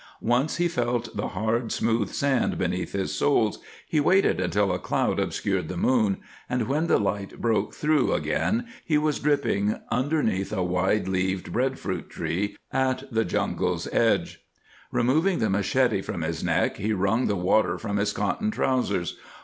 Once he felt the hard, smooth sand beneath his soles, he waited until a cloud obscured the moon, and when the light broke through again he was dripping underneath a wide leaved breadfruit tree at the jungle's edge. Removing the machete from his neck, he wrung the water from his cotton trousers.